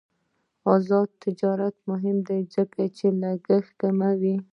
آزاد تجارت مهم دی ځکه چې لګښت کموي.